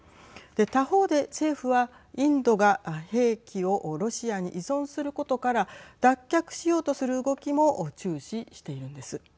他方で政府は、インドが兵器をロシアに依存することから脱却しようとする動きも注視しているんです。